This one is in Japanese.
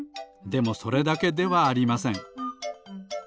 でもそれだけではありません。